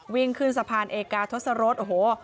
วิ่งขึ้นสะพานเอกาทศรษโอ้โห